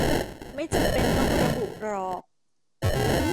ไม่จำเป็นต้องระบุหรอก